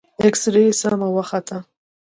اكسرې سمه وخته.